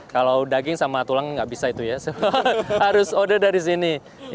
kalau daging sama tulang nggak bisa itu ya harus oder dari sini